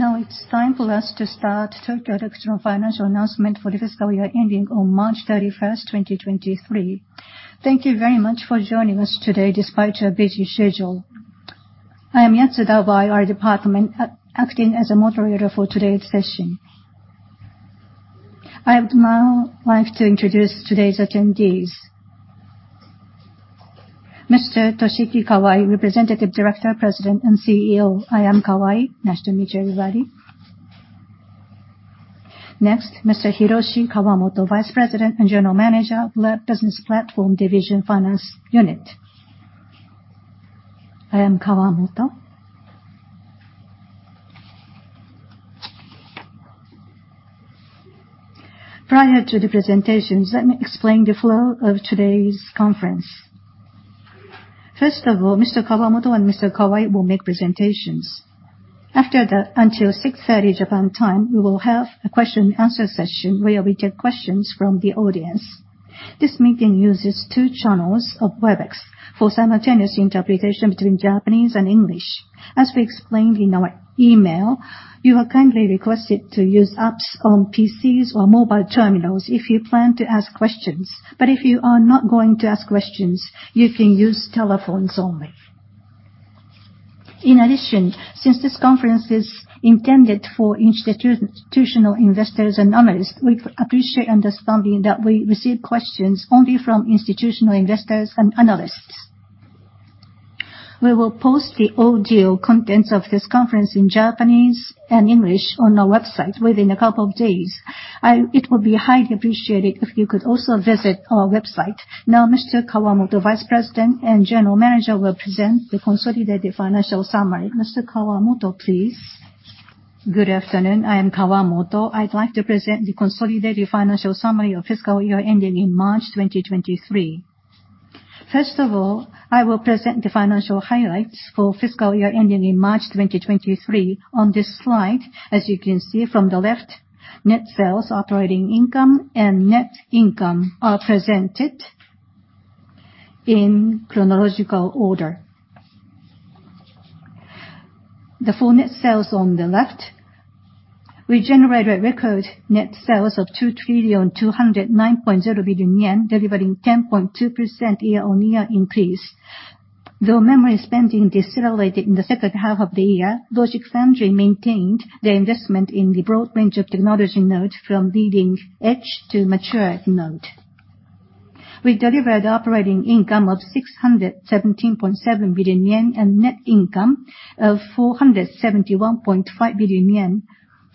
It's time for us to start Tokyo Electron's Financial Announcement for The Fiscal Year Ending on March 31st, 2023. Thank you very much for joining us today despite your busy schedule. I am Koichi Yatsuda, our department acting as a moderator for today's session. I would now like to introduce today's attendees. Mr. Toshiki Kawai, Representative Director, President and CEO. I am Kawai. Nice to meet you, everybody. Mr. Hiroshi Kawamoto, Vice President and General Manager, Business Platform Division, Finance Unit. I am Kawamoto. Prior to the presentations, let me explain the flow of today's conference. Mr. Kawamoto and Mr. Kawai will make presentations. Until 6:30 Japan time, we will have a question and answer session where we take questions from the audience. This meeting uses two channels of Webex for simultaneous interpretation between Japanese and English. As we explained in our email, you are kindly requested to use apps on PCs or mobile terminals if you plan to ask questions. If you are not go`ing to ask questions, you can use telephones only. In addition, since this conference is intended for institutional investors and analysts, we'd appreciate understanding that we receive questions only from institutional investors and analysts. We will post the audio contents of this conference in Japanese and English on our website within a couple of days. It will be highly appreciated if you could also visit our website. Mr. Kawamoto, Vice President and General Manager, will present the consolidated financial summary. Mr. Kawamoto, please. Good afternoon. I am Kawamoto. I'd like to present the consolidated financial summary of fiscal year ending in March 2023. First of all, I will present the financial highlights for fiscal year ending in March 2023. On this slide, as you can see from the left, net sales, operating income, and net income are presented in chronological order. The full net sales on the left, we generated record net sales of 2,209.0 billion yen, delivering 10.2% year-on-year increase. Memory spending decelerated in the second half of the year, logic foundry maintained the investment in the broad range of technology node from leading edge to mature node. We delivered operating income of 617.7 billion yen and net income of 471.5 billion yen,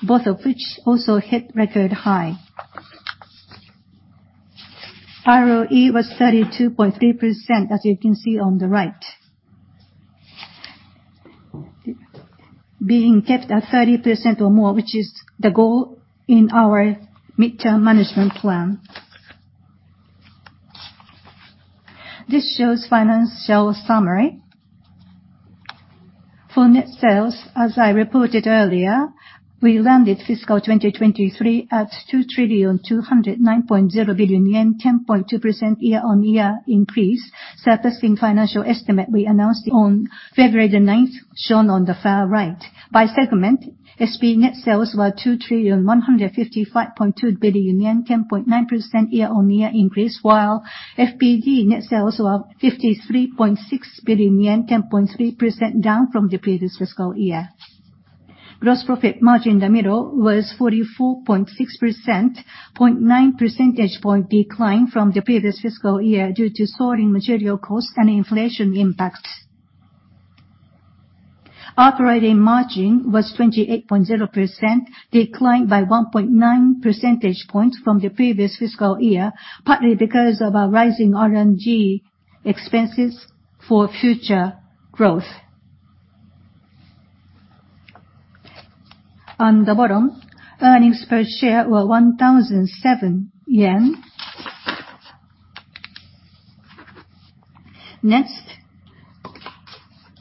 both of which also hit record high. ROE was 32.3%, as you can see on the right. Being kept at 30% or more, which is the goal in our midterm management plan. This shows financial summary. For net sales, as I reported earlier, we landed fiscal 2023 at 2,209.0 billion yen, 10.2% year-on-year increase, surpassing financial estimate we announced on February the ninth, shown on the far right. By segment, SP net sales were 2,155.2 billion yen, 10.9% year-on-year increase, while FPD net sales were 53.6 billion yen, 10.3% down from the previous fiscal year. Gross profit margin, the middle, was 44.6%, 0.9% decline from the previous fiscal year due to soaring material costs and inflation impacts. Operating margin was 28.0%, declined by 1.9% from the previous fiscal year, partly because of our rising R&D expenses for future growth. On the bottom, earnings per share were 1,007 yen. Next,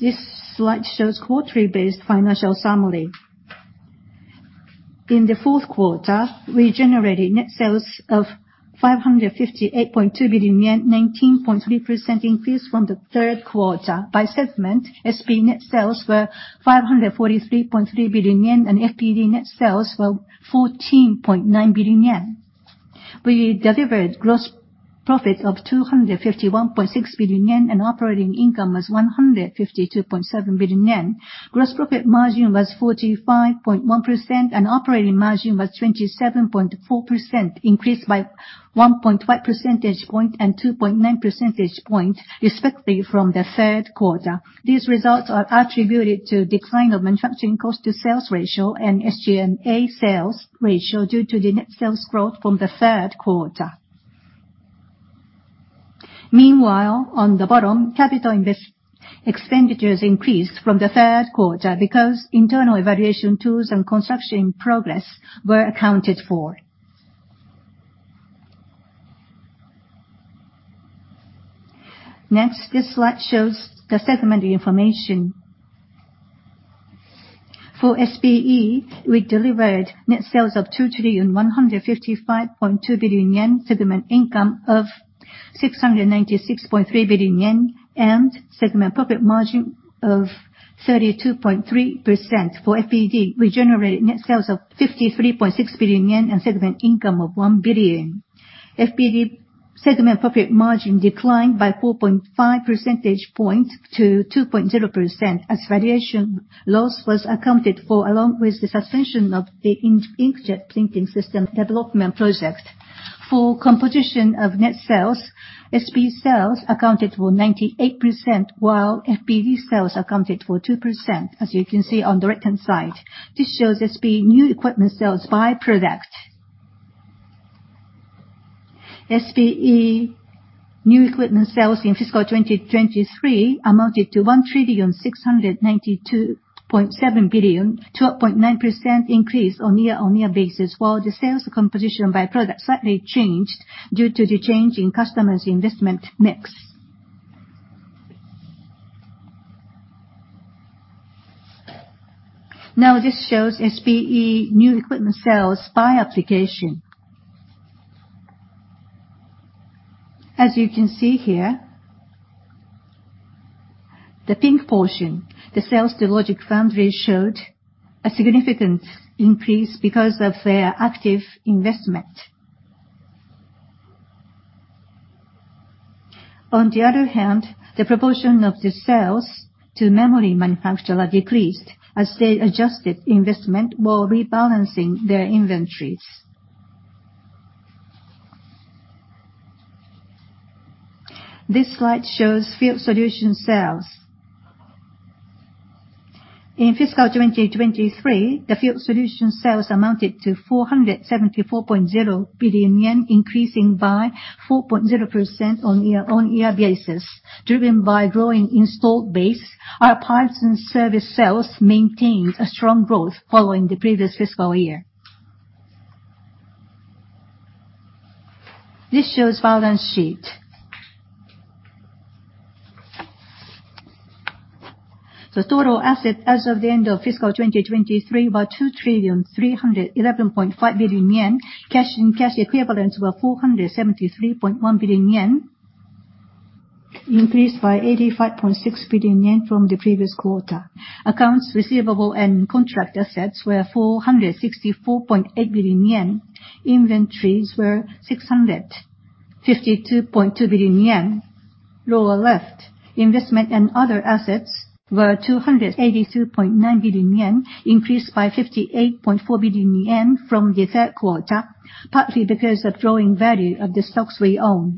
this slide shows quarterly based financial summary. In the fourth quarter, we generated net sales of 558.2 billion yen, 19.3% increase from the third quarter. By segment, SP net sales were 543.3 billion yen, and FPD net sales were 14.9 billion yen. We delivered gross profit of 251.6 billion yen, and operating income was 152.7 billion yen. Gross profit margin was 45.1%, and operating margin was 27.4%, increased by 1.5% and 2.9% respectively from the third quarter. These results are attributed to decline of manufacturing cost to sales ratio and SG&A sales ratio due to the net sales growth from the third quarter. Meanwhile, on the bottom, capital expenditures increased from the third quarter because internal evaluation tools and construction progress were accounted for. This slide shows the segment information. For SPE, we delivered net sales of 2,155.2 billion yen, segment income of 696.3 billion yen, and segment profit margin of 32.3%. For FPD, we generated net sales of 53.6 billion yen and segment income of 1 billion. FPD segment profit margin declined by 4.5% to 2.0% as valuation loss was accounted for, along with the suspension of the inkjet printing system development project. For composition of net sales, SPE sales accounted for 98%, while FPD sales accounted for 2%, as you can see on the right-hand side. This shows SPE new equipment sales by product. SPE new equipment sales in fiscal 2023 amounted to 1,692.7 billion, 12.9% increase on a year-on-year basis, while the sales composition by product slightly changed due to the change in customers' investment mix. This shows SPEnew equipment sales by application. As you can see here, the pink portion, the sales to logic foundry showed a significant increase because of their active investment. On the other hand, the proportion of the sales to memory manufacturer decreased as they adjusted investment while rebalancing their inventories. This slide shows Field Solution sales. In fiscal 2023, the Field Solution sales amounted to 474.0 billion yen, increasing by 4.0% on a year-on-year basis. Driven by growing installed base, our parts and service sales maintained a strong growth following the previous fiscal year. This shows balance sheet. The total asset as of the end of fiscal 2023 were 2,311.5 billion yen. Cash and cash equivalents were 473.1 billion yen, increased by 85.6 billion yen from the previous quarter. Accounts receivable and contract assets were 464.8 billion yen. Inventories were 652.2 billion yen. Lower left, investment and other assets were 282.9 billion yen, increased by 58.4 billion yen from the third quarter, partly because of growing value of the stocks we own.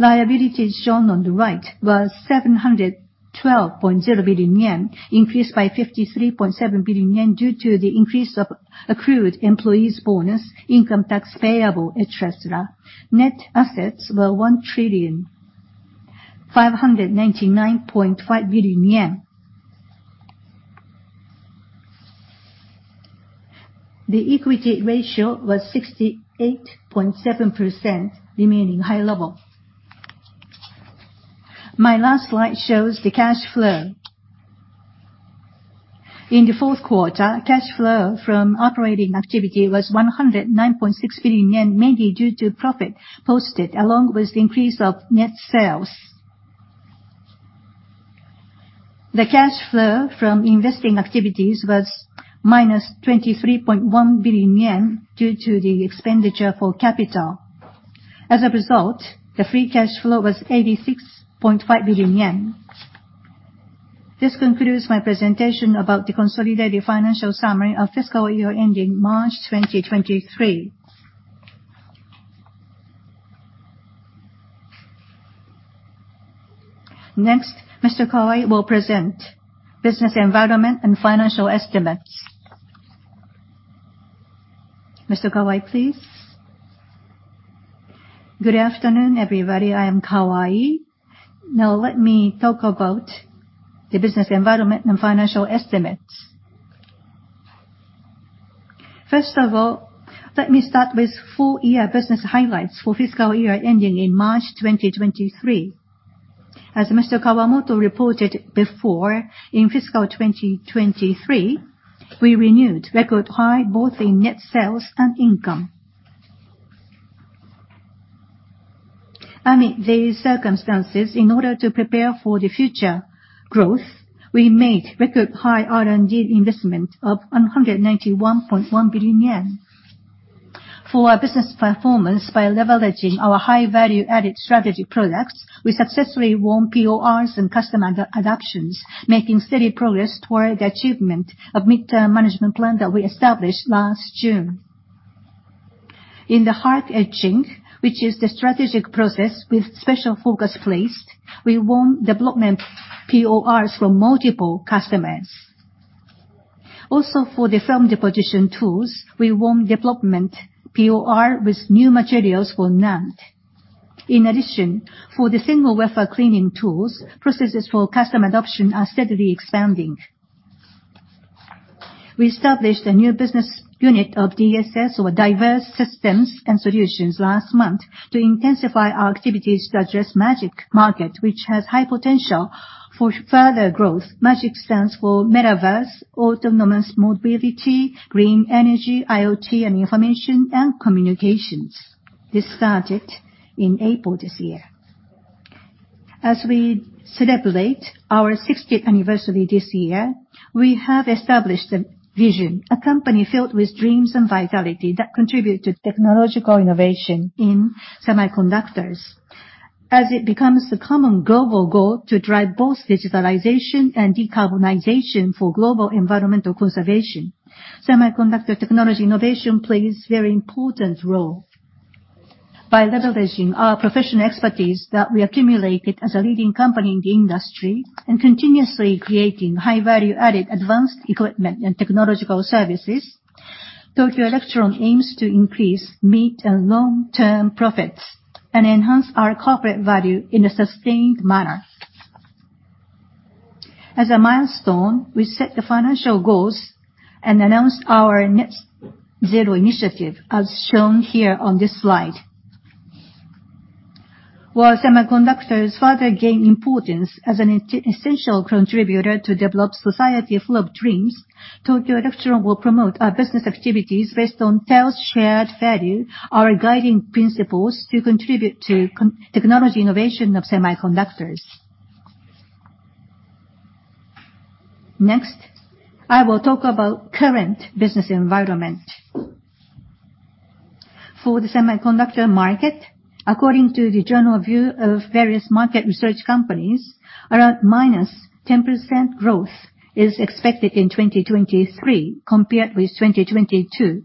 Liabilities shown on the right was 712.0 billion yen, increased by 53.7 billion yen due to the increase of accrued employees' bonus, income tax payable, et cetera. Net assets were JPY 1,599.5 billion. The equity ratio was 68.7%, remaining high level. My last slide shows the cash flow. In the fourth quarter, cash flow from operating activity was 109.6 billion yen, mainly due to profit posted along with the increase of net sales. The cash flow from investing activities was -23.1 billion yen due to the expenditure for capital. The free cash flow was 86.5 billion yen. This concludes my presentation about the consolidated financial summary of fiscal year ending March 2023. Mr. Kawai will present business environment and financial estimates. Mr. Kawai, please. Good afternoon, everybody. I am Kawai. Let me talk about the business environment and financial estimates. Let me start with full year business highlights for fiscal year ending in March 2023. Mr. Kawamoto reported before, in fiscal 2023, we renewed record high both in net sales and income. Amid these circumstances, in order to prepare for the future growth, we made record high R&D investment of 191.1 billion yen. For our business performance, by leveraging our high value-added strategy products, we successfully won PORs and customer adoptions, making steady progress toward the achievement of midterm management plan that we established last June. In the HARC etching, which is the strategic process with special focus placed, we won development PORs from multiple customers. For the film deposition tools, we won development POR with new materials for NAND. For the single wafer cleaning tools, processes for custom adoption are steadily expanding. We established a new business unit of DSS or Diverse Systems and Solutions last month to intensify our activities to address MAGIC market, which has high potential for further growth. MAGIC stands for Metaverse, Autonomous Mobility, Green Energy, IoT, and Information and Communications. This started in April this year. As we celebrate our 60th anniversary this year, we have established a vision, a company filled with dreams and vitality that contribute to technological innovation in semiconductors. As it becomes the common global goal to drive both digitalization and decarbonization for global environmental conservation, semiconductor technology innovation plays very important role. By leveraging our professional expertise that we accumulated as a leading company in the industry and continuously creating high-value-added advanced equipment and technological services, Tokyo Electron aims to increase mid- and long-term profits and enhance our corporate value in a sustained manner. As a milestone, we set the financial goals and announced our net zero initiative as shown here on this slide. While semiconductors further gain importance as an essential contributor to develop society full of dreams, Tokyo Electron will promote our business activities based on TEL's Shared Value, our guiding principles to contribute to technology innovation of semiconductors. Next, I will talk about current business environment. For the semiconductor market, according to the general view of various market research companies, around -10% growth is expected in 2023 compared with 2022.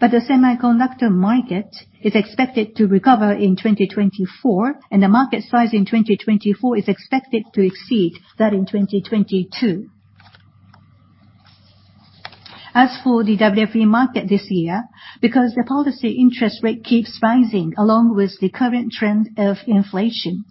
The semiconductor market is expected to recover in 2024, and the market size in 2024 is expected to exceed that in 2022. As for the WFE market this year, because the policy interest rate keeps rising along with the current trend of inflation,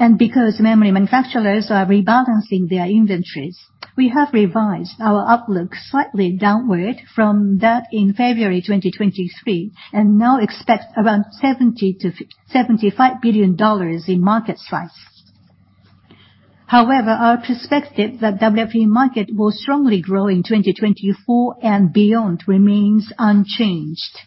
and because memory manufacturers are rebalancing their inventories, we have revised our outlook slightly downward from that in February 2023, and now expect around $70 billion-$75 billion in market size. However, our perspective that WFE market will strongly grow in 2024 and beyond remains unchanged.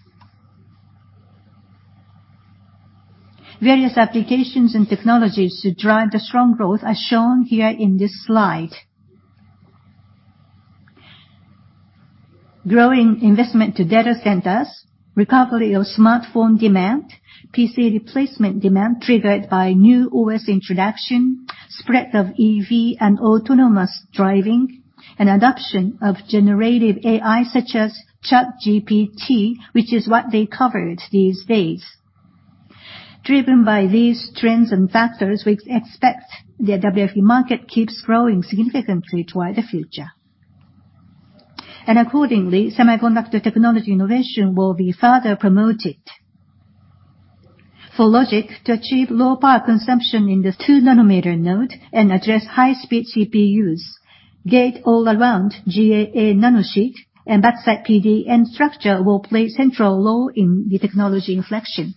Various applications and technologies to drive the strong growth are shown here in this slide. Growing investment to data centers, recovery of smartphone demand, PC replacement demand triggered by new OS introduction, spread of EV and autonomous driving, and adoption of generative AI such as ChatGPT, which is what they covered these days. Driven by these trends and factors, we expect the WFE market keeps growing significantly toward the future. Accordingly, semiconductor technology innovation will be further promoted. For logic to achieve low power consumption in the two nanometer node and address high speed CPUs, Gate-All-Around, GAA nanosheet, and backside PDN structure will play a central role in the technology inflection.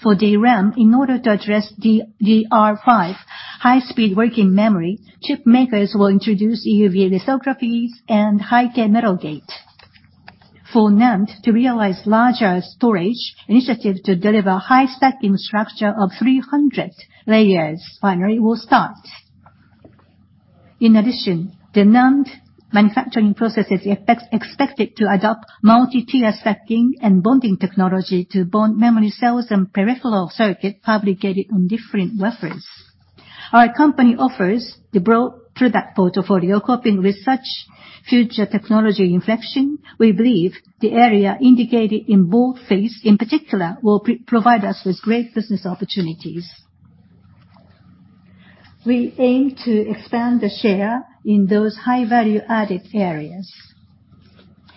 For DRAM, in order to address DDR5 high-speed working memory, chip makers will introduce EUV lithographies and high-k metal gate. For NAND to realize larger storage initiatives to deliver high stacking structure of 300 layers, finally will start. The NAND manufacturing processes effects expected to adopt multi-tier stacking and bonding technology to bond memory cells and peripheral circuit fabricated on different wafers. Our company offers the broad product portfolio coping with such future technology inflection. We believe the area indicated in both phase, in particular, will provide us with great business opportunities. We aim to expand the share in those high-value added areas.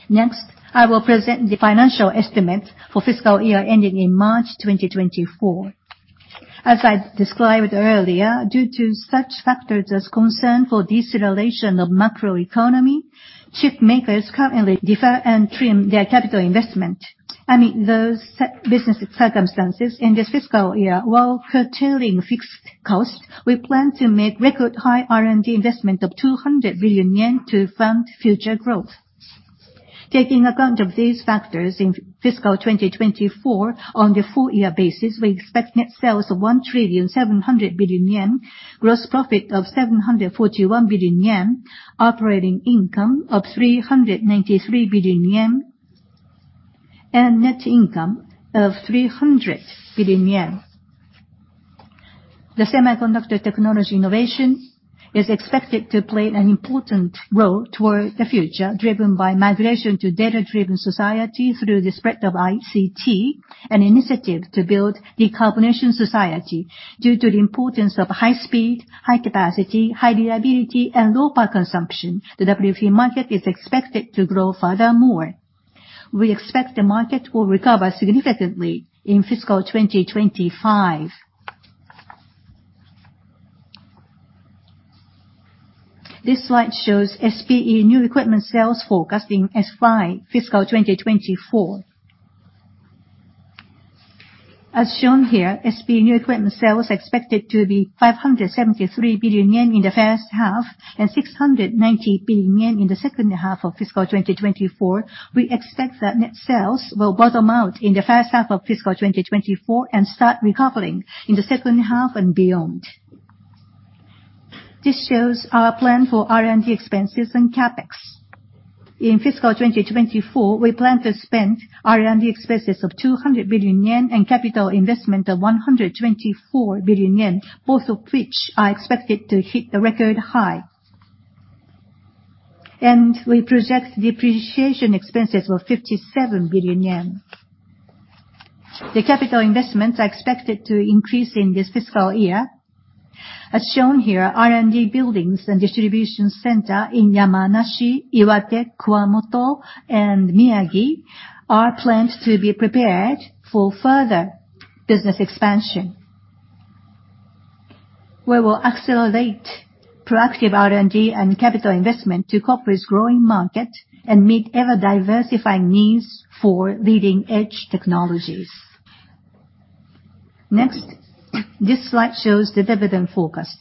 Next, I will present the financial estimate for fiscal year ending in March 2024. As I described earlier, due to such factors as concern for deceleration of macroeconomy, chip makers currently defer and trim their capital investment. Amid those business circumstances in this fiscal year, while curtailing fixed costs, we plan to make record high R&D investment of 200 billion yen to fund future growth. Taking account of these factors in fiscal 2024, on the full year basis, we expect net sales of 1,700 billion yen, gross profit of 741 billion yen, operating income of 393 billion yen, and net income of 300 billion yen. The semiconductor technology innovation is expected to play an important role toward the future, driven by migration to data-driven society through the spread of ICT and initiative to build decarbonization society. Due to the importance of high speed, high capacity, high reliability, and low power consumption, the WFE market is expected to grow furthermore. We expect the market will recover significantly in fiscal 2025. This slide shows SPE new equipment sales forecasting as by fiscal 2024. As shown here, SPE new equipment sales expected to be 573 billion yen in the first half and 690 billion yen in the second half of fiscal 2024. We expect that net sales will bottom out in the first half of fiscal 2024 and start recovering in the second half and beyond. This shows our plan for R&D expenses and CapEx. In fiscal 2024, we plan to spend R&D expenses of 200 billion yen and capital investment of 124 billion yen, both of which are expected to hit a record high. We project depreciation expenses of 57 billion yen. The capital investments are expected to increase in this fiscal year. As shown here, R&D buildings and distribution center in Yamanashi, Iwate, Kumamoto, and Miyagi are planned to be prepared for further business expansion. We will accelerate proactive R&D and capital investment to cope with growing market and meet ever-diversifying needs for leading-edge technologies. Next, this slide shows the dividend forecast.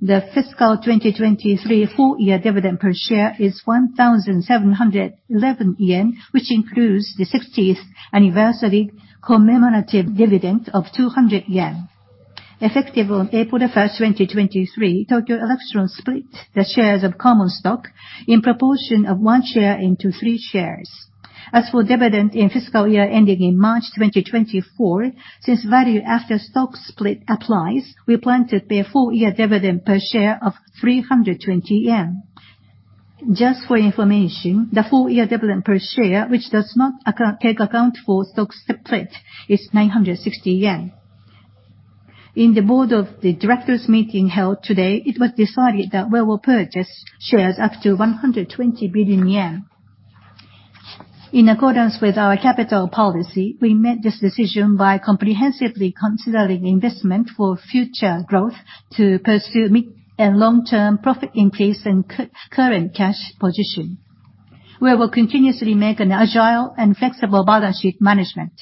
The fiscal 2023 full year dividend per share is 1,711 yen, which includes the 60th anniversary commemorative dividend of 200 yen. Effective on April 1, 2023, Tokyo Electron split the shares of common stock in proportion of 1 share into 3 shares. As for dividend in fiscal year ending in March 2024, since value after stock split applies, we plan to pay a full year dividend per share of 320 yen. Just for your information, the full year dividend per share, which does not take account for stock split, is 960 yen. In the board of the directors meeting held today, it was decided that we will purchase shares up to 120 billion yen. In accordance with our capital policy, we made this decision by comprehensively considering investment for future growth to pursue mid- and long-term profit increase and current cash position. We will continuously make an agile and flexible balance sheet management.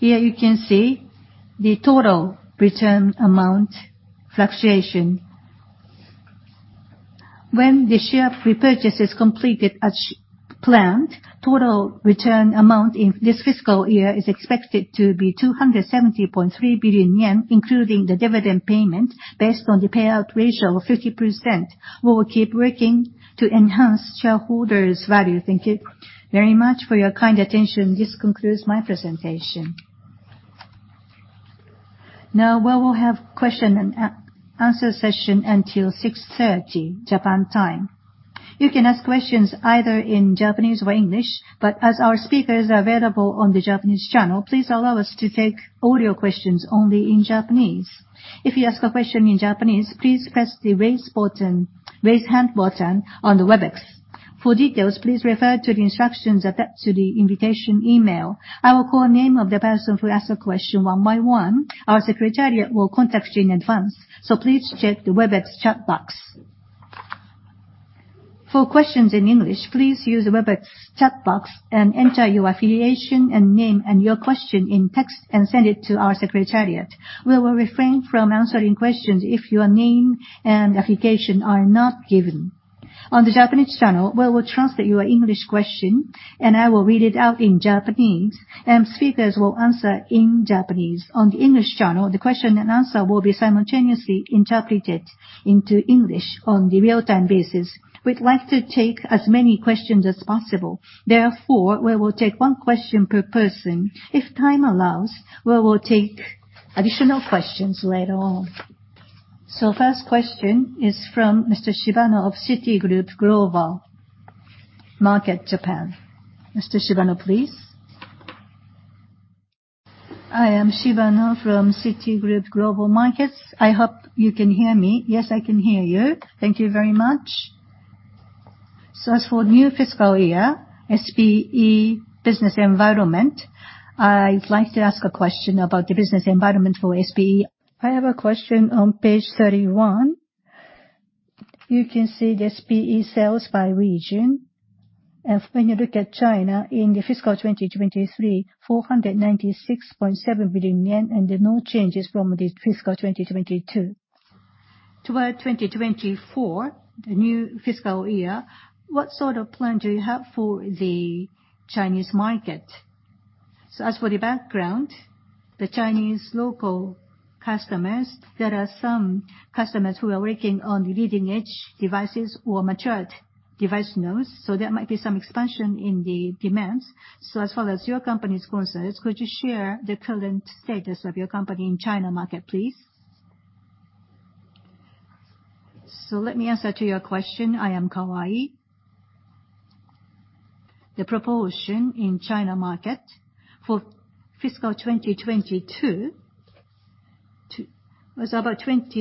Here you can see the total return amount fluctuation. When the share repurchase is completed as planned, total return amount in this fiscal year is expected to be 270.3 billion yen, including the dividend payment based on the payout ratio of 50%. We will keep working to enhance shareholders' value. Thank you very much for your kind attention. This concludes my presentation. Now we will have question and answer session until 6:30 P.M., Japan time. You can ask questions either in Japanese or English. As our speakers are available on the Japanese channel, please allow us to take all your questions only in Japanese. If you ask a question in Japanese, please press the raise button, raise hand button on the Webex. For details, please refer to the instructions attached to the invitation email. I will call name of the person who ask the question one by one. Our secretariat will contact you in advance. Please check the Webex chat box. For questions in English, please use the Webex chat box and enter your affiliation and name and your question in text and send it to our secretariat. We will refrain from answering questions if your name and affiliation are not given. On the Japanese channel, we will translate your English question, and I will read it out in Japanese, and speakers will answer in Japanese. On the English channel, the question and answer will be simultaneously interpreted into English on the real-time basis. We'd like to take as many questions as possible. Therefore, we will take one question per person. If time allows, we will take additional questions later on. First question is from Mr. Shibano of Citigroup Global Markets Japan. Mr. Shibano, please. I am Shibano from Citigroup Global Markets. I hope you can hear me. Yes, I can hear you. Thank you very much. As for new fiscal year, SPE business environment, I'd like to ask a question about the business environment for SPE. I have a question on page 31. You can see the SPE sales by region. If when you look at China in the fiscal 2023, 496.7 billion yen, there are no changes from the fiscal 2022. Toward 2024, the new fiscal year, what sort of plan do you have for the Chinese market? As for the background, the Chinese local customers, there are some customers who are working on the leading-edge devices or matured device nodes, so there might be some expansion in the demands. As far as your company is concerned, could you share the current status of your company in China market, please? Let me answer to your question. I am Kawai. The proportion in China market for fiscal 2022 was about 26%.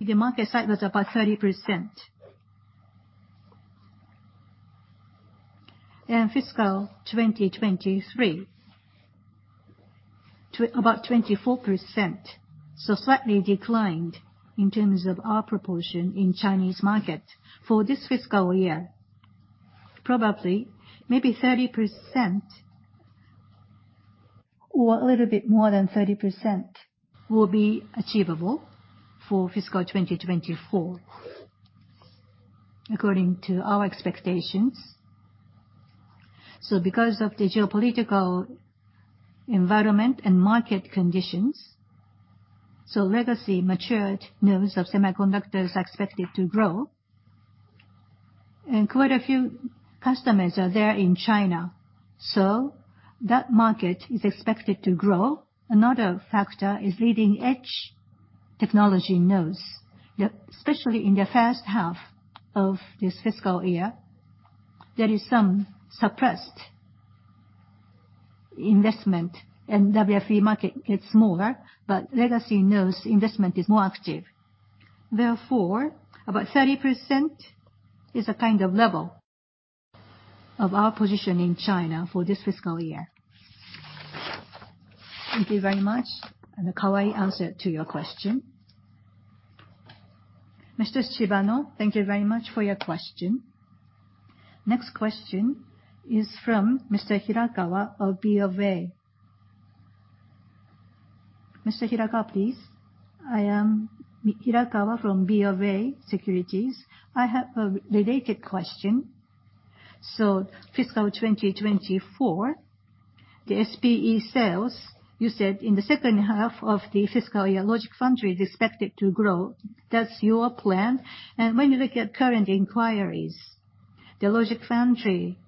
The market size was about 30%. Fiscal 2023, about 24%. Slightly declined in terms of our proportion in Chinese market. For this fiscal year, probably maybe 30% or a little bit more than 30% will be achievable for fiscal 2024, according to our expectations. Because of the geopolitical environment and market conditions, so legacy matured nodes of semiconductors are expected to grow, and quite a few customers are there in China, so that market is expected to grow. Another factor is leading-edge technology nodes, especially in the first half of this fiscal year, there is some suppressed investment, and WFE market gets smaller, but legacy nodes investment is more active. About 30% is a kind of level of our position in China for this fiscal year. Thank you very much. An awkward answer to your question. Mr. Shibano, thank you very much for your question. Next question is from Mr. Hirakawa of BofA. Mr. Hirakawa, please. I am Hirakawa from BofA Securities. I have a related question. Fiscal 2024, the SPE sales, you said in the second half of the fiscal year, logic foundry is expected to grow. That's your plan. When you look at current inquiries, the logic foundry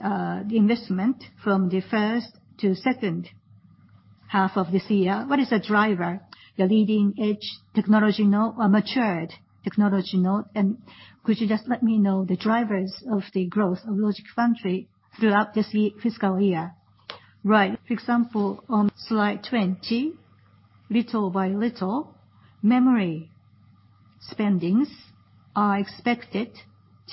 investment from the first to second half of this year, what is the driver? The leading-edge technology node or matured technology node? Could you just let me know the drivers of the growth of logic foundry throughout this fiscal year? Right. For example, on slide 20, little by little, memory spendings are expected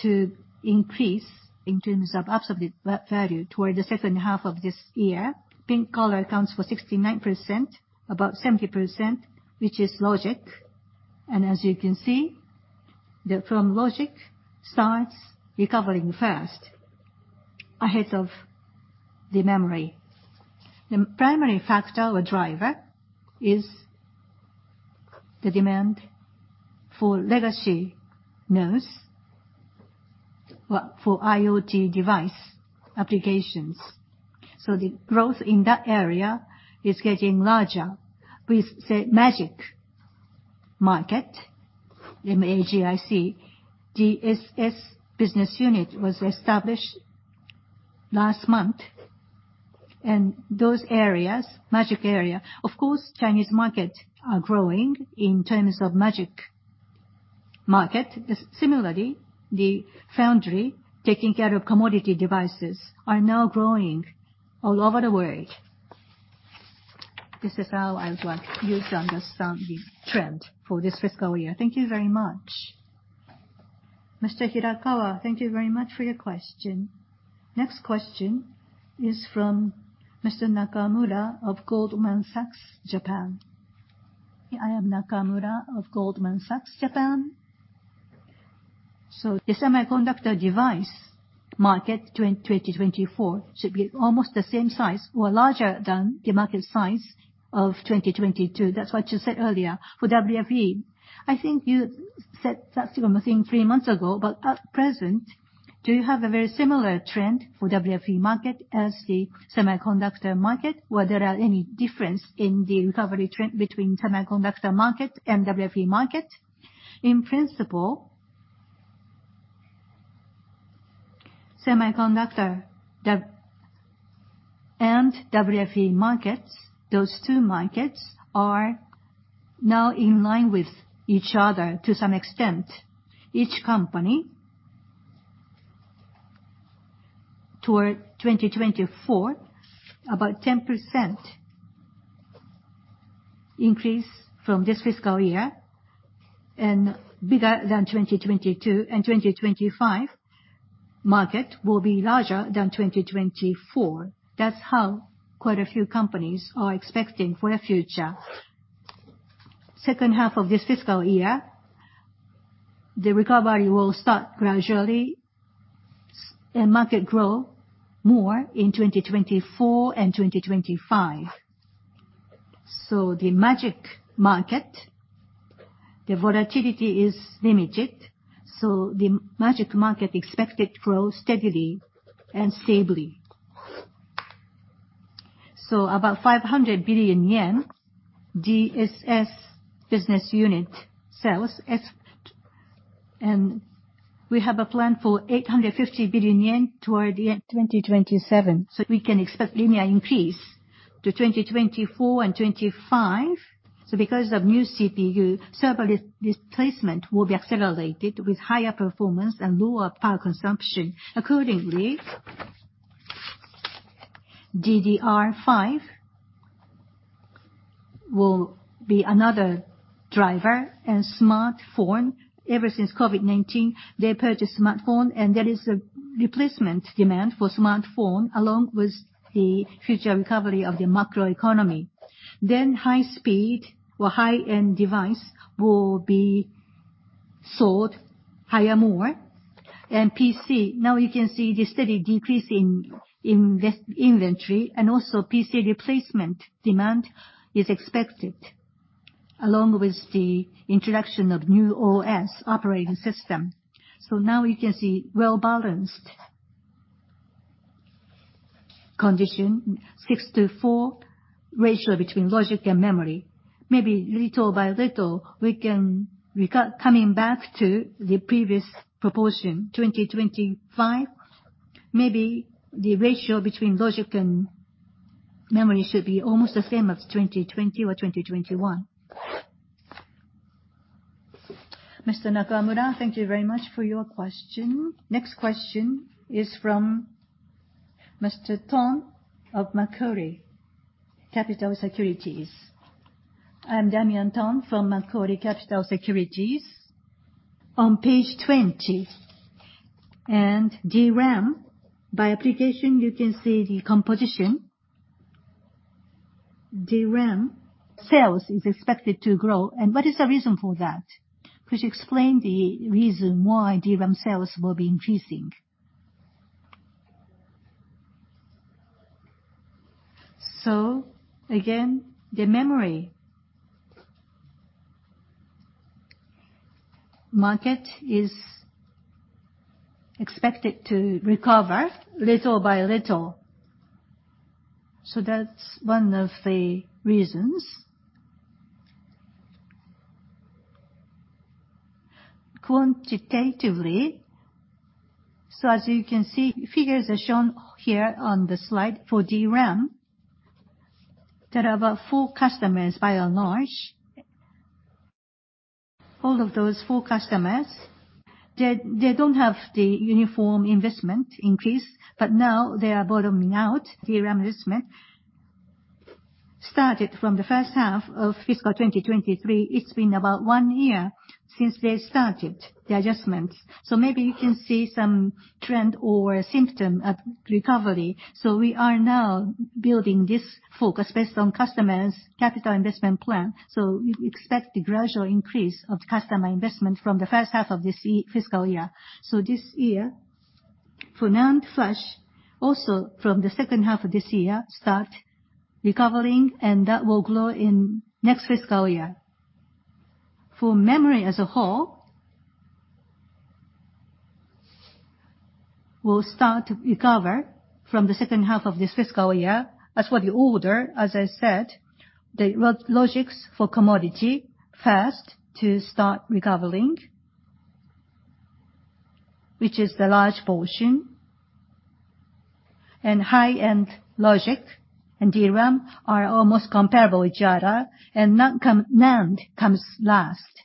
to increase in terms of absolute value toward the second half of this year. Pink color accounts for 69%, about 70%, which is logic. As you can see, the firm logic starts recovering first ahead of the memory. The primary factor or driver is the demand for legacy nodes, for IoT device applications. The growth in that area is getting larger with, say, MAGIC market, M-A-G-I-C. DSS business unit was established last month. Those areas, MAGIC area, of course, Chinese market are growing in terms of MAGIC market. Similarly, the foundry taking care of commodity devices are now growing all over the world. This is how I'd like you to understand the trend for this fiscal year. Thank you very much. Mr. Hirakawa, thank you very much for your question. Next question is from Mr. Nakamura of Goldman Sachs Japan. I am Nakamura of Goldman Sachs Japan. The semiconductor device market 2024 should be almost the same size or larger than the market size of 2022. That's what you said earlier for WFE. I think you said that same thing three months ago, at present, do you have a very similar trend for WFE market as the semiconductor market? Were there any difference in the recovery trend between semiconductor market and WFE market? In principle, semiconductor dev and WFE markets, those two markets are now in line with each other to some extent. Each company, toward 2024, about 10% increase from this fiscal year and bigger than 2022, and 2025 market will be larger than 2024. That's how quite a few companies are expecting for the future. Second half of this fiscal year, the recovery will start gradually, and market grow more in 2024 and 2025. The MAGIC market, the volatility is limited, so the MAGIC market expected to grow steadily and stably. About JPY 500 billion, DSS business unit sales. We have a plan for 850 billion yen toward the end of 2027. We can expect linear increase to 2024 and 2025. Because of new CPU, server displacement will be accelerated with higher performance and lower power consumption. Accordingly, DDR5 will be another driver. Smartphone, ever since COVID-19, they purchased smartphone, and there is a replacement demand for smartphone, along with the future recovery of the macro economy. High speed or high-end device will be sold higher more. PC, now you can see the steady decrease in this inventory, and also PC replacement demand is expected, along with the introduction of new OS, operating system. Now you can see well-balanced condition, six to four ratio between logic and memory. Maybe little by little we can coming back to the previous proportion, 2025. Maybe the ratio between logic and memory should be almost the same as 2020 or 2021. Mr. Nakamura, thank you very much for your question. Next question is from Mr. Thong of Macquarie Capital Securities. I'm Damian Thong from Macquarie Capital Securities. On page 20. DRAM, by application you can see the composition. DRAM sales is expected to grow. What is the reason for that? Could you explain the reason why DRAM sales will be increasing? Again, the memory market is expected to recover little by little. That's one of the reasons. Quantitatively, as you can see, figures are shown here on the slide for DRAM. There are about four customers by and large. All of those four customers, they don't have the uniform investment increase, but now they are bottoming out DRAM investment. Started from the first half of fiscal 2023. It's been about one year since they started the adjustments. Maybe you can see some trend or symptom of recovery. We are now building this focus based on customers' capital investment plan. We expect a gradual increase of customer investment from the first half of this fiscal year. This year for NAND flash, also from the second half of this year, start recovering and that will grow in next fiscal year. For memory as a whole, will start to recover from the second half of this fiscal year. As for the order, as I said, the logics for commodity first to start recovering, which is the large portion. High-end logic and DRAM are almost comparable with each other, and NAND comes last.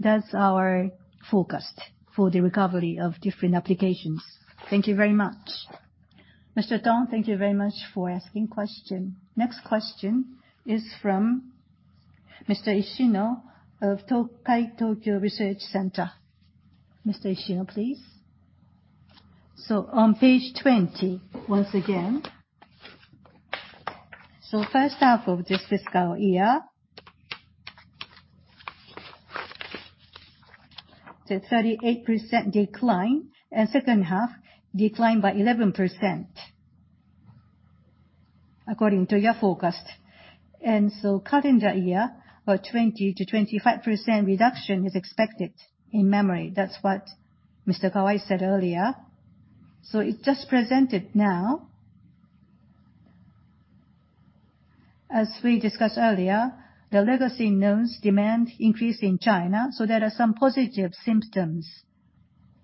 That's our forecast for the recovery of different applications. Thank you very much. Mr. Thong, thank you very much for asking question. Next question is from Mr. Ishino of Tokai Tokyo Research Center. Mr. Ishino, please. On page 20, once again. First half of this fiscal year, the 38% decline, and second half declined by 11% according to your forecast. Calendar year, about 20%-25% reduction is expected in memory. That's what Mr. Kawai said earlier. It just presented now. As we discussed earlier, the legacy nodes demand increase in China, so there are some positive symptoms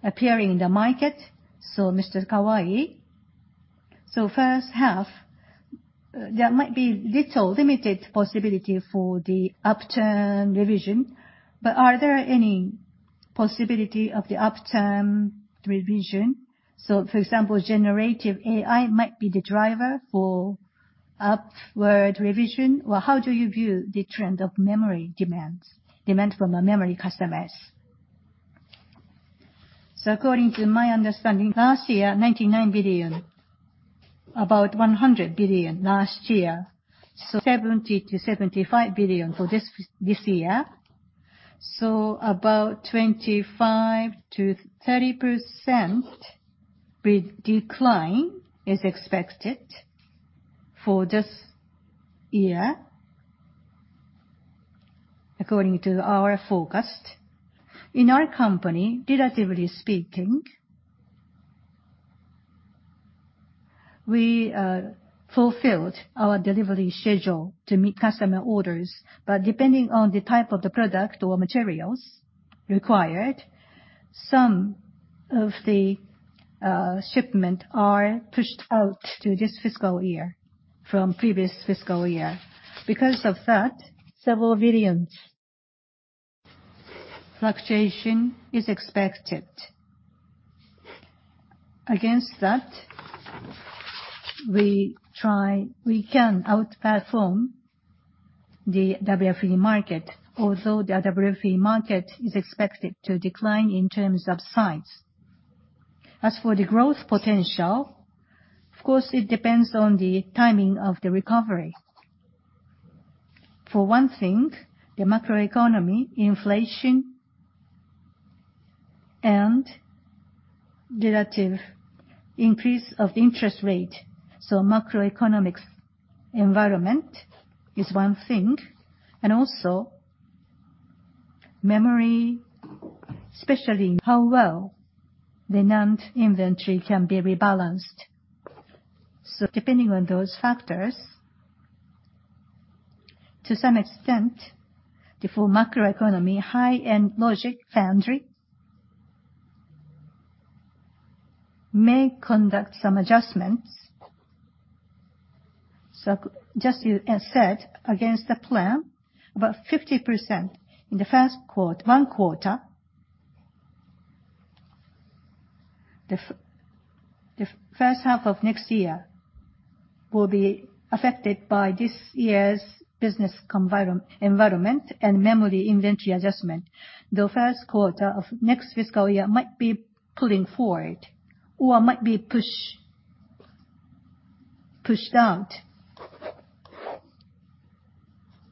appearing in the market. Mr. Kawai, so first half, there might be little limited possibility for the upturn revision, but are there any possibility of the upturn revision? For example, generative AI might be the driver for upward revision, or how do you view the trend of memory demands, demand from a memory customers? According to my understanding, last year $99 billion, about $100 billion last year. $70 billion-$75 billion for this year. About 25%-30% big decline is expected for this year according to our forecast. In our company, relatively speaking, we fulfilled our delivery schedule to meet customer orders. Depending on the type of the product or materials required, some of the shipment are pushed out to this fiscal year from previous fiscal year. Because of that, several billions Fluctuation is expected. Against that, we can outperform the WFE market, although the WFE market is expected to decline in terms of size. As for the growth potential, of course, it depends on the timing of the recovery. For one thing, the macroeconomy inflation and derivative increase of interest rate, macroeconomics environment is one thing, and also memory, especially how well the NAND inventory can be rebalanced. Depending on those factors, to some extent, the full macroeconomy high-end logic foundry may conduct some adjustments. Just as you said, against the plan, about 50% in one quarter, the first half of next year will be affected by this year's business environment and memory inventory adjustment. The first quarter of next fiscal year might be pulling forward or might be pushed out.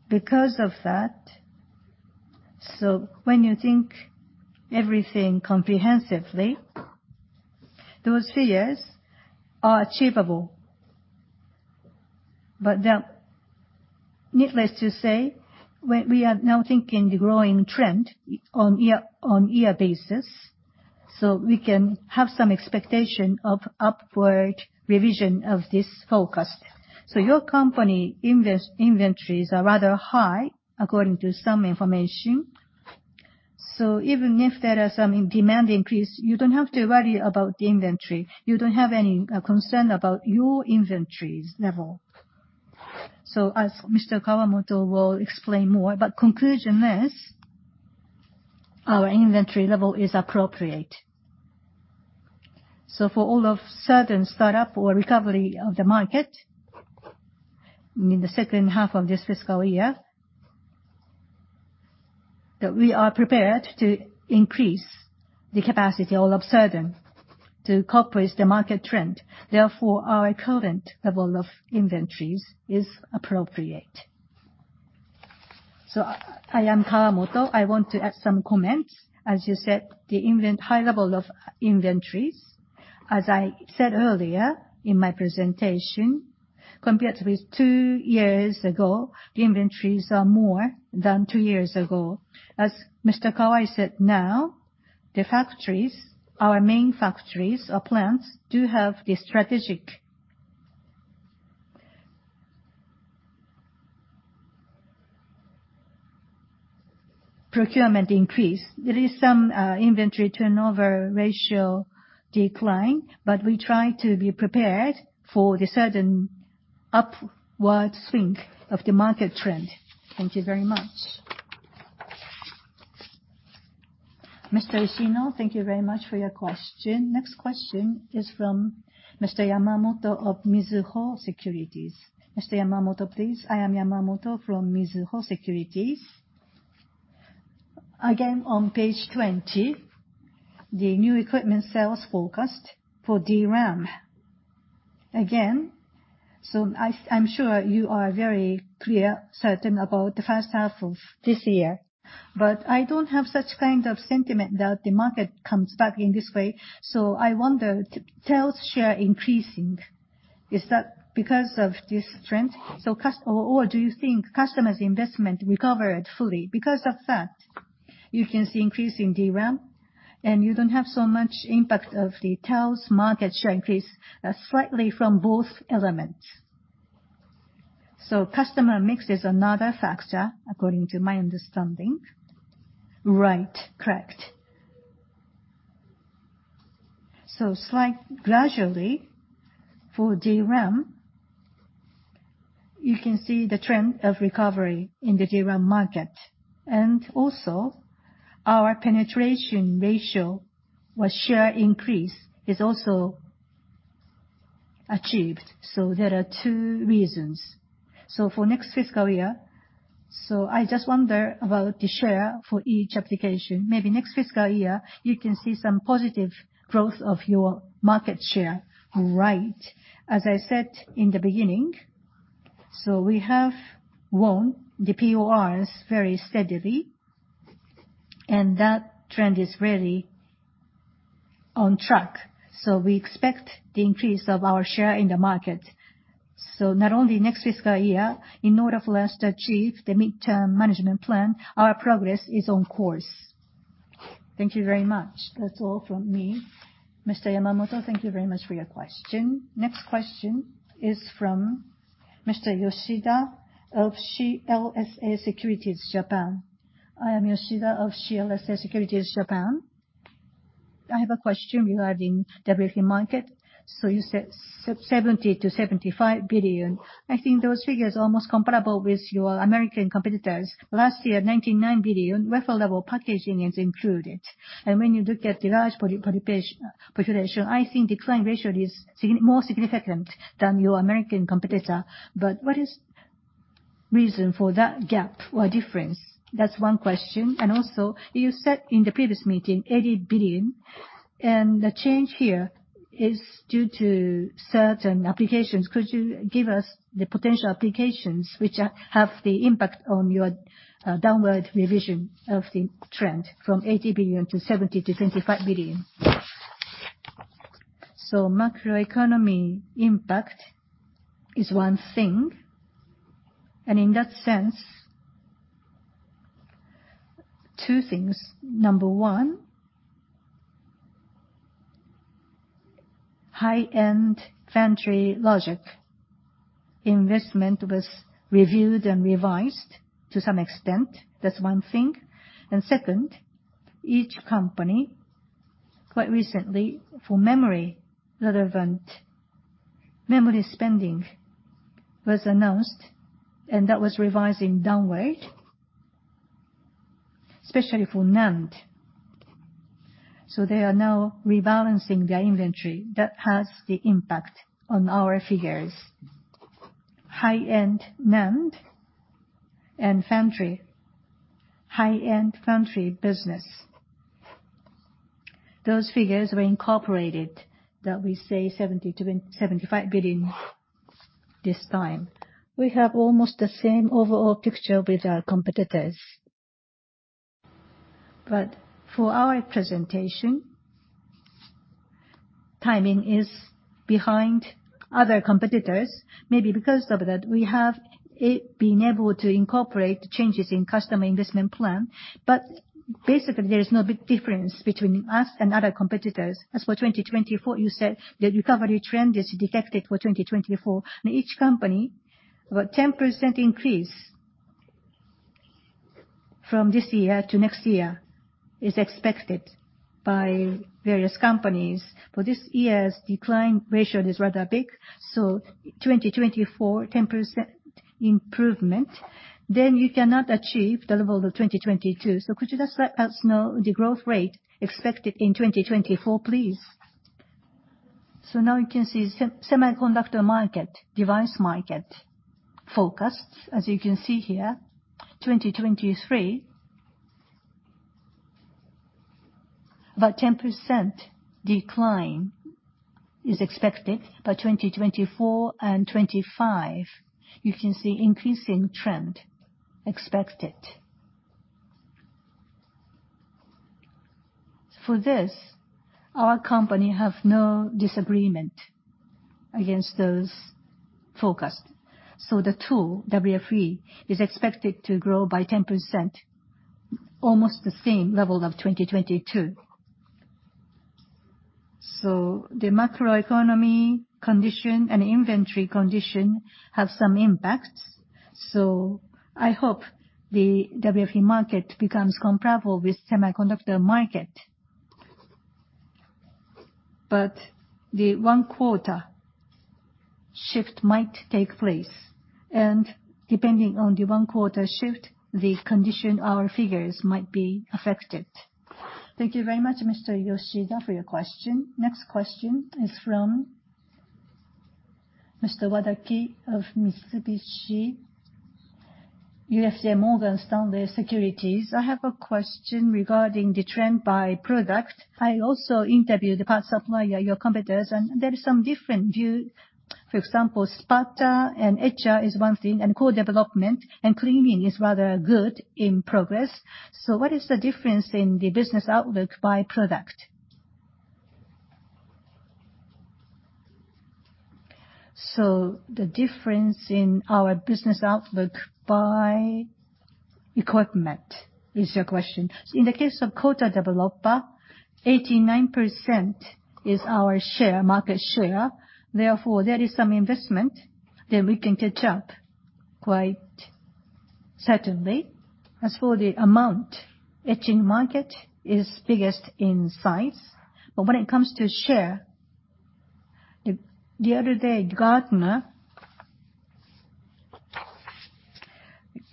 Because of that, so when you think everything comprehensively, those figures are achievable. They're needless to say, we are now thinking the growing trend on year-on-year basis, so we can have some expectation of upward revision of this forecast. Your company inventories are rather high according to some information. Even if there are some demand increase, you don't have to worry about the inventory. You don't have any concern about your inventories level. As Mr. Kawamoto will explain more, but conclusion is our inventory level is appropriate. For all of sudden startup or recovery of the market in the second half of this fiscal year, that we are prepared to increase the capacity all of sudden to cope with the market trend. Therefore, our current level of inventories is appropriate. I am Kawamoto. I want to add some comments. As you said, the high level of inventories, as I said earlier in my presentation, compared with two years ago, the inventories are more than two years ago. As Mr. Kawai said, now, the factories, our main factories or plants do have the strategic procurement increase. There is some inventory turnover ratio decline, but we try to be prepared for the sudden upward swing of the market trend. Thank you very much. Mr. Ishino, thank you very much for your question. Next question is from Mr. Yamamoto of Mizuho Securities. Mr. Yamamoto, please. I am Yamamoto from Mizuho Securities. On page 20, the new equipment sales forecast for DRAM. I'm sure you are very clear, certain about the first half of this year, but I don't have such kind of sentiment that the market comes back in this way. I wonder, TEL's share increasing, is that because of this trend? Or do you think customers' investment recovered fully? Because of that, you can see increase in DRAM, and you don't have so much impact of the TEL's market share increase, slightly from both elements. Customer mix is another factor according to my understanding. Right. Correct. Slight gradually for DRAM, you can see the trend of recovery in the DRAM market. Also, our penetration ratio or share increase is also achieved. There are two reasons. For next fiscal year, I just wonder about the share for each application. Maybe next fiscal year, you can see some positive growth of your market share. Right. As I said in the beginning, we have won the PORs very steadily, and that trend is really on track. We expect the increase of our share in the market. Not only next fiscal year, in order for us to achieve the midterm management plan, our progress is on course. Thank you very much. That's all from me. Mr. Yamamoto, thank you very much for your question. Next question is from Mr. Yoshida of CLSA Securities Japan. I am Yoshida of CLSA Securities Japan. I have a question regarding WFE market. You said $70 billion-$75 billion. I think those figures are almost comparable with your American competitors. Last year, $99 billion, wafer level packaging is included. When you look at the large population, I think decline ratio is more significant than your American competitor. What is reason for that gap or difference? That's one question. You said in the previous meeting, $80 billion, and the change here is due to certain applications. Could you give us the potential applications which have the impact on your downward revision of the trend from $80 billion to $70 billion-$75 billion? Macroeconomy impact is one thing, and in that sense, two things. Number one, high-end foundry logic investment was reviewed and revised to some extent. That's one thing. Second, each company, quite recently, for memory relevant memory spending was announced, and that was revising downward, especially for NAND. They are now rebalancing their inventory. That has the impact on our figures. High-end NAND and foundry, high-end foundry business, those figures were incorporated, that we say $70 billion-$75 billion this time. We have almost the same overall picture with our competitors. For our presentation, timing is behind other competitors. Maybe because of that, we have been able to incorporate changes in customer investment plan. Basically, there is no big difference between us and other competitors. As for 2024, you said that recovery trend is detected for 2024. Each company, about 10% increase from this year to next year is expected by various companies. For this year's decline ratio is rather big, 2024, 10% improvement, then you cannot achieve the level of 2022. Could you just let us know the growth rate expected in 2024, please? Now you can see semiconductor market, device market forecasts. As you can see here, 2023, about 10% decline is expected. By 2024 and 2025, you can see increasing trend expected. For this, our company have no disagreement against those forecast. The tool, WFE, is expected to grow by 10%, almost the same level of 2022. The macroeconomy condition and inventory condition have some impacts, so I hope the WFE market becomes comparable with semiconductor market. The first quarter shift might take place, and depending on the first quarter shift, the condition, our figures might be affected. Thank you very much, Mr. Yoshida, for your question. Next question is from Mr. Wadaki of Mitsubishi UFJ Morgan Stanley Securities. I have a question regarding the trend by product. I also interviewed the part supplier, your competitors, and there is some different view. For example, sputter and etch is one thing, and Coater/Developer and cleaning is rather good in progress. What is the difference in the business outlook by product? The difference in our business outlook by equipment, is your question. In the case of Coater/Developer, 89% is our share, market share. Therefore, there is some investment that we can catch up quite certainly. As for the amount, etching market is biggest in size. When it comes to share, the other day, Gartner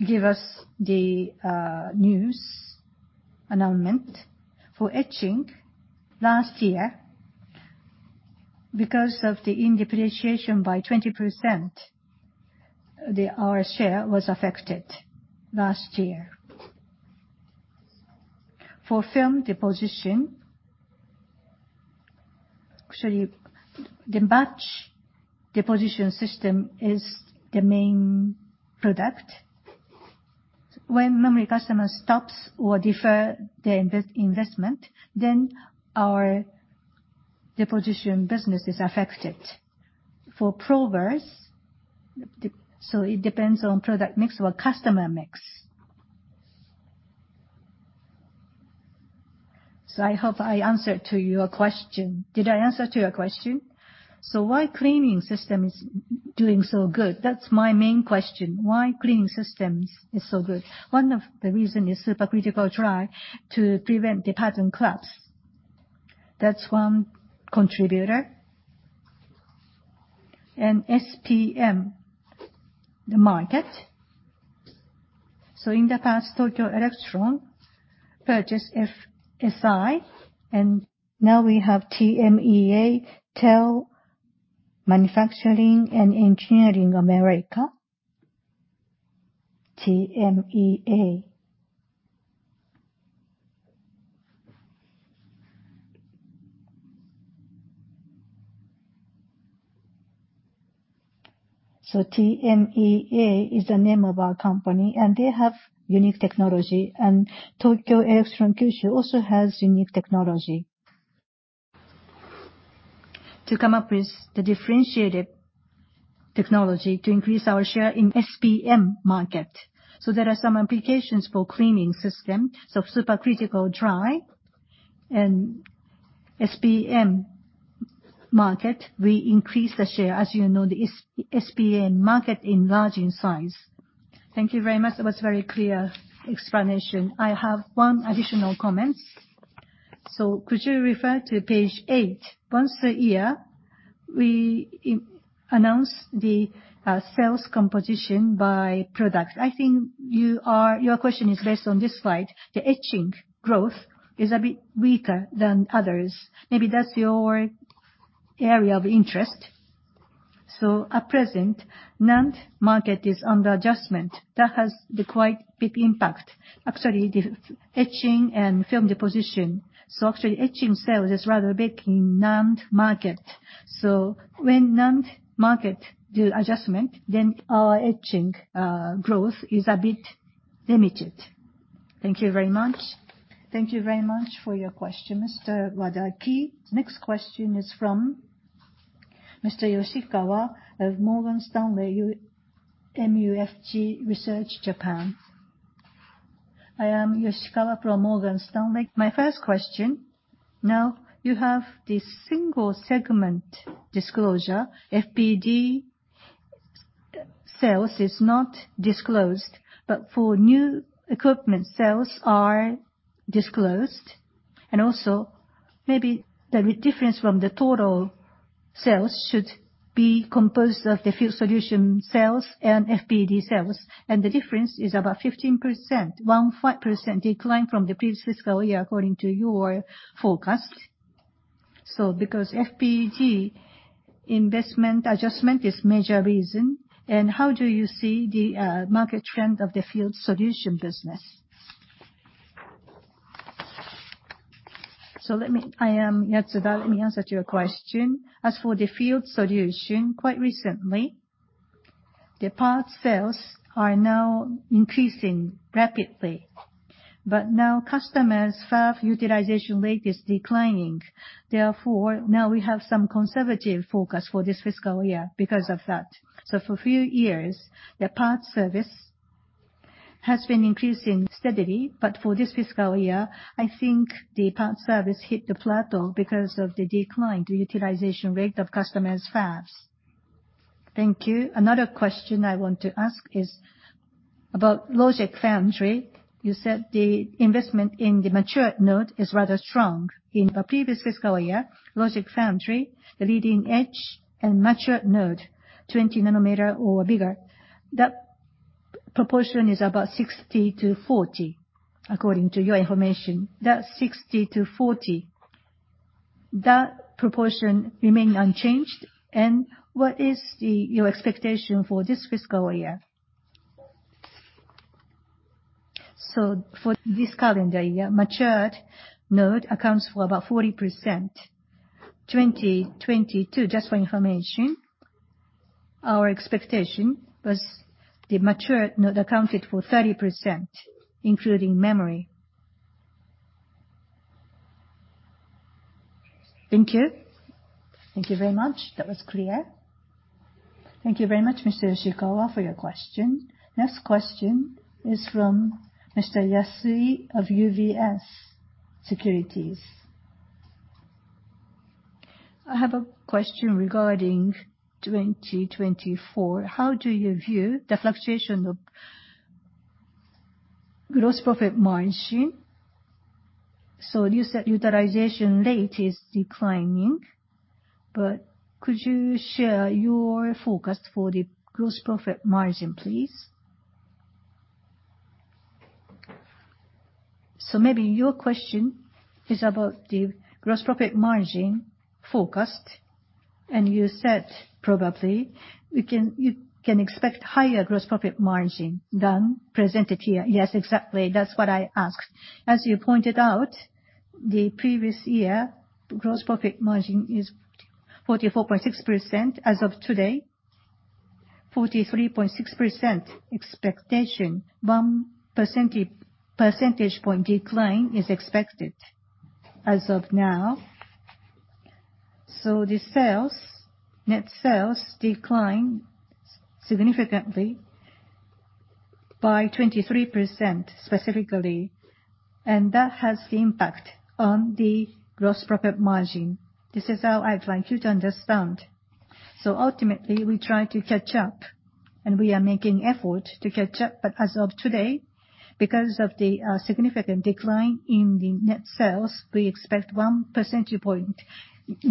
give us the news announcement for etching last year. Because of the in depreciation by 20%, our share was affected last year. For film deposition, actually, the batch deposition system is the main product. When memory customer stops or defer their investment, then our deposition business is affected. For probers, so it depends on product mix or customer mix. I hope I answered to your question. Did I answer to your question? Why cleaning system is doing so good? That's my main question. Why cleaning systems is so good? One of the reason is supercritical dry to prevent the pattern collapse. That's one contributor. SPM, the market. In the past, Tokyo Electron purchased FSI, and now we have TMEA, TEL Manufacturing and Engineering America. TMEA. TMEA is the name of our company, and they have unique technology. Tokyo Electron Kyushu also has unique technology. To come up with the differentiated technology to increase our share in SPM market. There are some applications for cleaning system, supercritical dry. SPM market, we increase the share. As you know, the SPM market enlarge in size. Thank you very much. That was very clear explanation. I have one additional comment. Could you refer to page eight? Once a year, we announce the sales composition by product. I think your question is based on this slide. The etching growth is a bit weaker than others. Maybe that's your area of interest. At present, NAND market is under adjustment. That has the quite big impact. Actually, the etching and film deposition. Actually, etching sales is rather big in NAND market. When NAND market do adjustment, then our etching growth is a bit limited. Thank you very much. Thank you very much for your question, Mr. Wadaki. Next question is from Mr. Yoshikawa of Morgan Stanley MUFG Research, Japan. I am Yoshikawa from Morgan Stanley. My first question, now you have the single segment disclosure. FPD sales is not disclosed, but for new equipment sales are disclosed. Maybe the difference from the total sales should be composed of the Field Solution sales and FPD sales. The difference is about 15%. 15% decline from the previous fiscal year, according to your forecast. Because FPD investment adjustment is major reason, and how do you see the market trend of the Field Solution business? I am Yatsuda, let me answer your question. As for the Field Solution, quite recently, the part sales are now increasing rapidly. Now customers' fab utilization rate is declining. Therefore, now we have some conservative focus for this fiscal year because of that. For few years, the part service has been increasing steadily. For this fiscal year, I think the part service hit the plateau because of the decline, the utilization rate of customers' fabs. Thank you. Another question I want to ask is about logic foundry. You said the investment in the matured node is rather strong. In the previous fiscal year, logic foundry, the leading edge and matured node, 20 nanometer or bigger, that proportion is about 60 to 40 according to your information. That 60 to 40, that proportion remain unchanged? What is the your expectation for this fiscal year? For this calendar year, matured node accounts for about 40%. 2020, 2022, just for information, our expectation was the matured node accounted for 30%, including memory. Thank you. Thank you very much. That was clear. Thank you very much, Mr. Yoshikawa, for your question. Next question is from Mr. Yasui of UBS Securities. I have a question regarding 2024. How do you view the fluctuation of gross profit margin? You said utilization rate is declining, but could you share your forecast for the gross profit margin, please? Maybe your question is about the gross profit margin forecast, and you said probably you can expect higher gross profit margin than presented here. Yes, exactly. That's what I asked. As you pointed out, the previous year gross profit margin is 44.6%. As of today, 43.6% expectation. 1% decline is expected as of now. The sales, net sales declined significantly by 23% specifically, and that has the impact on the gross profit margin. This is how I'd like you to understand. Ultimately, we try to catch up, and we are making effort to catch up. As of today, because of the significant decline in the net sales, we expect 1%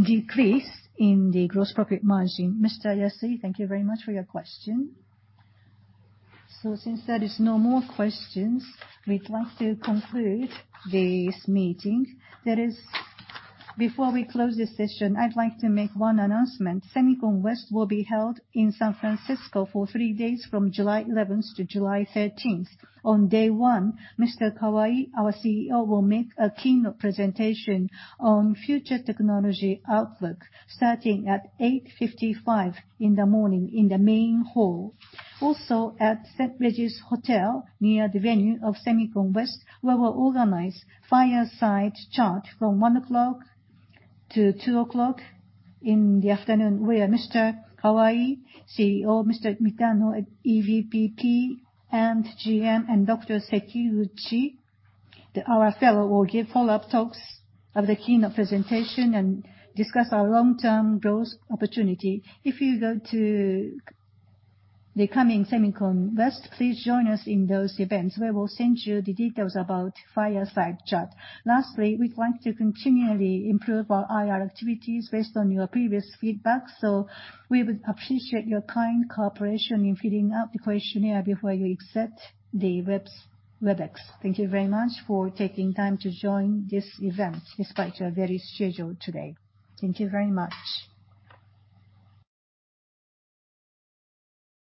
decrease in the gross profit margin. Mr. Yasui, thank you very much for your question. Since there is no more questions, we'd like to conclude this meeting. Before we close this session, I'd like to make one announcement. SEMICON West will be held in San Francisco for three days from July eleventh to July thirteenth. On day one, Mr. Kawai, our CEO, will make a keynote presentation on future technology outlook starting at 8:55 A.M. in the main hall. At Set Sail Hotel near the venue of SEMICON West, we will organize fireside chat from 1:00 P.M. to 2:00 P.M., where Mr. Kawai, CEO, Mr. Hino, Executive Vice President and GM, and Dr. Sekiguchi, our fellow, will give follow-up talks of the keynote presentation and discuss our long-term growth opportunity. If you go to the coming SEMICON West, please join us in those events. We will send you the details about fireside chat. We'd like to continually improve our IR activities based on your previous feedback. We would appreciate your kind cooperation in filling out the questionnaire before you exit the Webex. Thank you very much for taking time to join this event despite your very schedule today. Thank you very much.